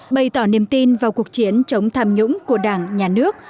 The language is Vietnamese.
bày tỏ niềm tin vào cuộc chiến chống tham nhũng của đảng nhà nước